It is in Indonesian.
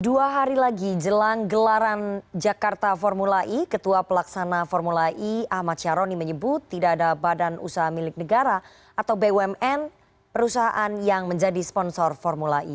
dua hari lagi jelang gelaran jakarta formula e ketua pelaksana formula e ahmad syaroni menyebut tidak ada badan usaha milik negara atau bumn perusahaan yang menjadi sponsor formula e